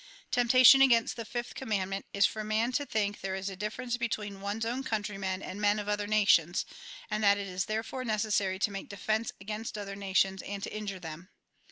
Temptation agahist the fifth commandment is, for man to think there is a difference between one's own countrymen and men of other nations ; and that it is therefore necessary to make defence against other nations, and to injure them.